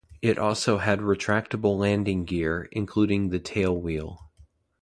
It also had retractable landing gear, including the tailwheel.